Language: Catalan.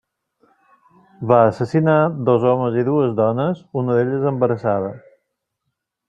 Va assassinar dos homes i dues dones, una d'elles embarassada.